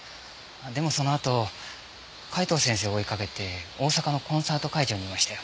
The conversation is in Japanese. でもそのあと海東先生を追いかけて大阪のコンサート会場にいましたよ。